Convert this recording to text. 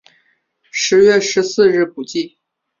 十月十四日补记。